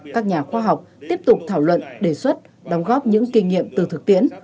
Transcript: các nhà khoa học tiếp tục thảo luận đề xuất đóng góp những kinh nghiệm từ thực tiễn